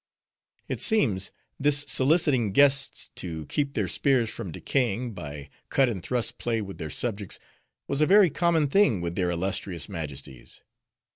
It seems, this soliciting guests, to keep their spears from decaying, by cut and thrust play with their subjects, was a very common thing with their illustrious majesties.